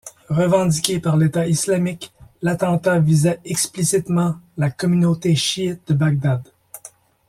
Revendiqué par l'État islamique, l'attentat visait explicitement la communauté chiite de Bagdad.